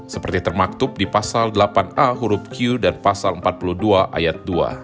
seperti termaktub di pasal delapan a huruf q dan pasal empat puluh dua ayat dua